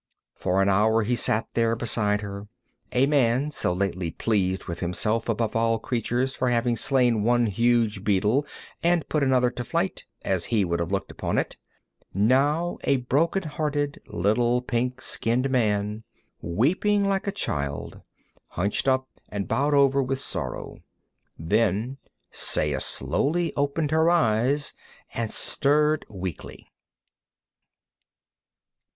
For an hour he sat there beside her, a man so lately pleased with himself above all creatures for having slain one huge beetle and put another to flight, as he would have looked upon it, now a broken hearted, little pink skinned man, weeping like a child, hunched up and bowed over with sorrow. Then Saya slowly opened her eyes and stirred weakly.